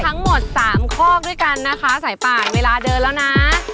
ทั้งหมดสามข้อด้วยกันนะคะสายป่านเวลาเดินแล้วนะ